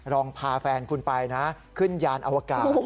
ลองพาแฟนคุณไปนะขึ้นยานอวกาศ